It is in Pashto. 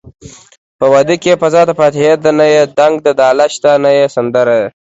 په واده کې يې فضادفاتحې ده نه يې ډنګ دډاله شته نه يې سندره